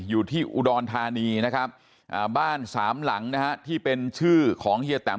อยู่ที่อุดรธานีนะครับบ้านสามหลังนะฮะที่เป็นชื่อของเฮียแตม